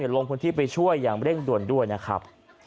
ลงพื้นที่ไปช่วยอย่างเร่งด่วนด้วยนะครับ